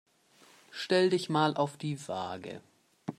Stell dich mal auf die Waage.